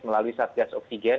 melalui satgas oksigen